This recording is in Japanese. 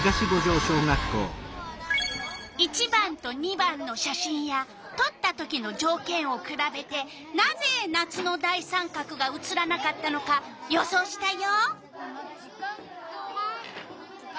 １番と２番の写真やとった時のじょうけんをくらべてなぜ夏の大三角が写らなかったのか予想したよ。